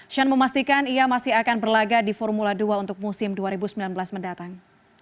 sean memastikan ia masih akan berlaga di formula dua untuk musim dua ribu sembilan belas mendatang